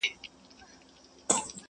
آزارونه را پسې به وي د زړونو٫